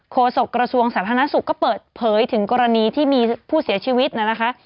โศกระทรวงสาธารณสุขก็เปิดเผยถึงกรณีที่มีผู้เสียชีวิตนะคะ